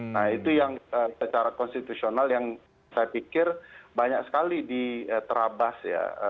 nah itu yang secara konstitusional yang saya pikir banyak sekali diterabas ya